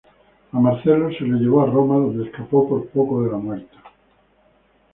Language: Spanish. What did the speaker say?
A Marcelo se le llevó a Roma, donde escapó por poco de la muerte.